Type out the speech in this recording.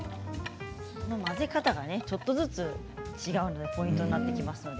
混ぜ方がちょっとずつ違うことがポイントになってきます。